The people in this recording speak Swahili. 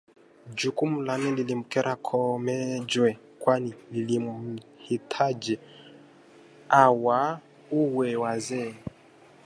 Jukumu la nne lilimkera Koomenjwe kwani lilimhitaji awauwe wazee